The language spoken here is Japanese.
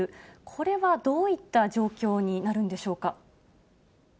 これはどういった状況になるんでしょうか。